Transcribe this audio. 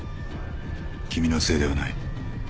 君のせいではない。